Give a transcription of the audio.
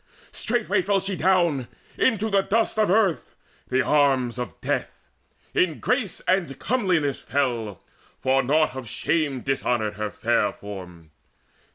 Straightway fell she down Into the dust of earth, the arms of death, In grace and comeliness fell, for naught of shame Dishonoured her fair form.